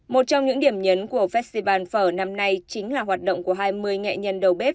một trong những điểm nhấn của festival phở năm nay chính là hoạt động của hai mươi nghệ nhân đầu bếp